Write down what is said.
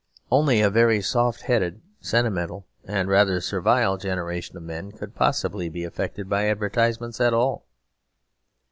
Only a very soft headed, sentimental, and rather servile generation of men could possibly be affected by advertisements at all.